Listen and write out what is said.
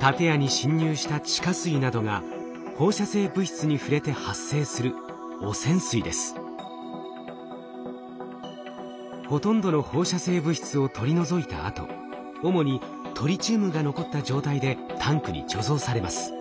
建屋に侵入した地下水などが放射性物質に触れて発生するほとんどの放射性物質を取り除いたあと主にトリチウムが残った状態でタンクに貯蔵されます。